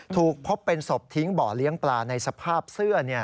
ถูกพบเป็นศพทิ้งบ่อเลี้ยงปลาในสภาพเสื้อ